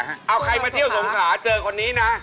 ในเมืองเอาใครมาเที่ยวสมขาเจอคนนี้นะ